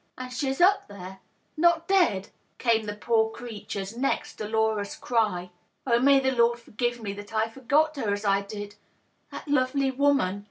" And she's up there, not dead !" came the poor creature's next dolorous cry. " Oh, may the Lord forgive me that I forgot her as I did ! That lovely woman